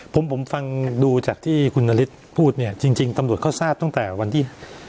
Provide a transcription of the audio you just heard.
ผมผมฟังดูจากที่คุณนฤทธิ์พูดเนี่ยจริงตำรวจเขาทราบตั้งแต่วันที่